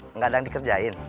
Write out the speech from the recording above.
enggak ada yang dikerjain